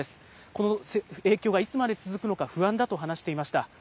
この影響がいつまで続くのか不安だと話していました。